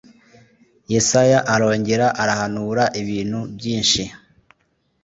Yesaya arongera arahanura ibintu byinshi